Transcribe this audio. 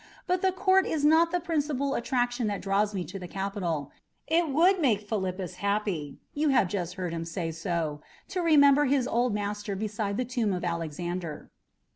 But the court is not the principal attraction that draws me to the capital. It would make Philippus happy you have just heard him say so to remember his old master beside the tomb of Alexander."